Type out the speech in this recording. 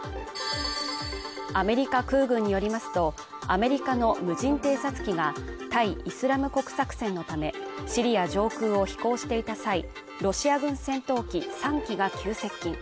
アメリカ空軍によりますと、アメリカの無人偵察機が対イスラム国作戦のためシリア上空を飛行していた際、ロシア軍戦闘機３機が急接近。